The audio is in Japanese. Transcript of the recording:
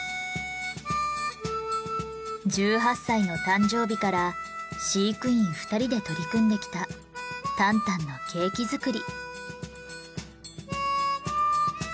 １８歳の誕生日から飼育員二人で取り組んできたタンタンのケーキ作り。